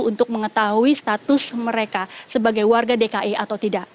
untuk mengetahui status mereka sebagai warga dki atau tidak